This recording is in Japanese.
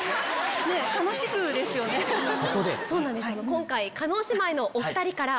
今回叶姉妹のお２人から。